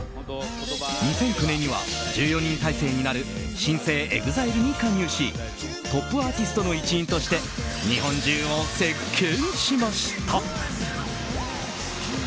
２００９年には１４人体制になる新生ＥＸＩＬＥに加入しトップアーティストの一員として日本中を席巻しました。